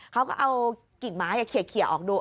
เขาก็เอากิ่งไม้เขียออกดู